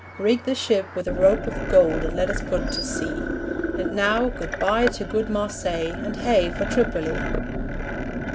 Rig the ship with a rope of gold And let us put to sea. And now, good bye to good Marseilles, And hey for Tripoli!